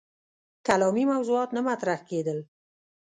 کلامي موضوعات نه مطرح کېدل.